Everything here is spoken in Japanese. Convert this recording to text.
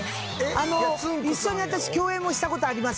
あの一緒に私共演もした事あります。